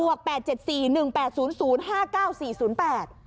วกแปดเจ็ดสี่หนึ่งแปดศูนย์ศูนย์ห้าเก้าสี่ศูนย์แปด